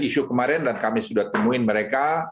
jadi isu kemarin dan kami sudah temuin mereka